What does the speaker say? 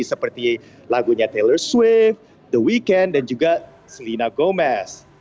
seperti lagunya taylor swift the weeknd dan juga selena gomez